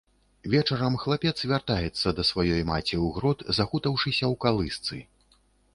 Вечарам хлапец вяртаецца да сваёй маці ў грот, захутаўшыся ў калысцы.